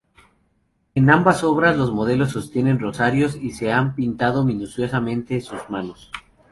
En ambas obras los modelos sostienen rosarios y se ha pintado minuciosamente sus manos.